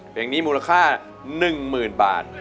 เพลงนี้มูลค่า๑๐๐๐บาท